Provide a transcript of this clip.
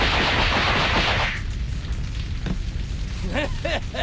ハハハハ！